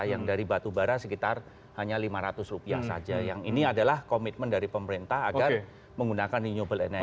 yang dari batu bara sekitar hanya rp lima ratus saja yang ini adalah komitmen dari pemerintah agar menggunakan renewable energy